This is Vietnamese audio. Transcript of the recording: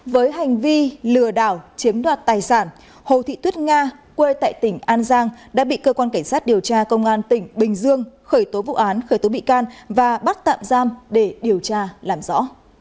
với hành vi lừa đảo chiếm đoạt tài sản hồ thị tuyết nga quê tại tỉnh an giang đã bị cơ quan cảnh sát điều tra công an tỉnh bình dương khởi tố vụ án khởi tố bị can và bắt tạm giam để điều tra làm rõ